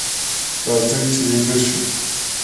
راځئ چې ویده شو.